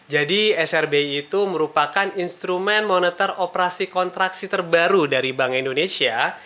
jadi srbi itu merupakan instrumen monitor operasi kontraksi terbaru dari bank indonesia